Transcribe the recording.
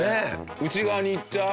内側に行っちゃう？